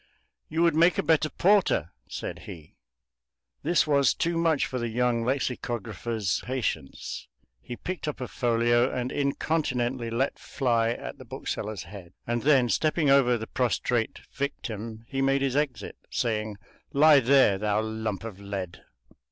"You would make a better porter," said he. This was too much for the young lexicographer's patience. He picked up a folio and incontinently let fly at the bookseller's head, and then stepping over the prostrate victim he made his exit, saying: "Lie there, thou lump of lead!"